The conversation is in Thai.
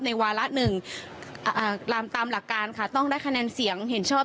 วาระหนึ่งตามหลักการค่ะต้องได้คะแนนเสียงเห็นชอบ